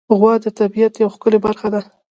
غوا د طبیعت یوه ښکلی برخه ده.